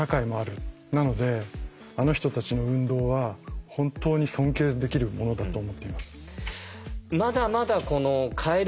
なのであの人たちの運動は本当に尊敬できるものだと思っています。